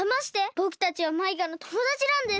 ぼくたちはマイカのともだちなんです！